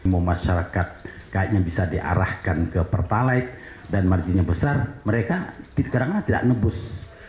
mau masyarakat kayaknya bisa diarahkan ke pertalai dan margin yang besar mereka tidak nebus